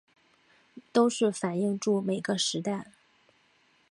都是反映著每个时代